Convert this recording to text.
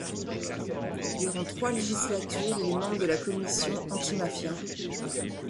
Durant trois législatures, il est membre de la Commission antimafia.